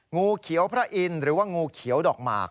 งูเขียวพระอินทร์หรือว่างูเขียวดอกหมาก